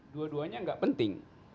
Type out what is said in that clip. dua duanya tidak penting